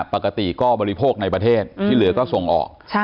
ปกติก็บริโภคในประเทศที่เหลือก็ส่งออก